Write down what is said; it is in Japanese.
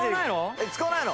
えっ使わないの？